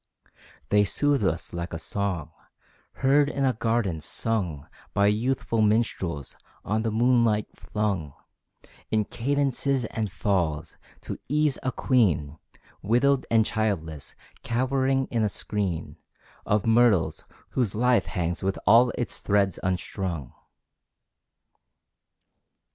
They soothe us like a song, heard in a garden, sung By youthful minstrels, on the moonlight flung In cadences and falls, to ease a queen, Widowed and childless, cowering in a screen Of myrtles, whose life hangs with all its threads unstrung.